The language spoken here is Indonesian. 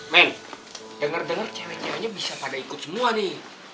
men denger dengar cewek ceweknya bisa pada ikut semua nih